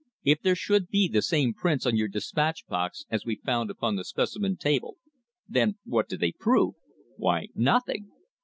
If there should be the same prints on your despatch box as we found upon the specimen table, then what do they prove? why, nothing.